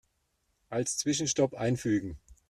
Als Zwischenstopp einfügen.